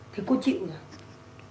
thế cô chịu rồi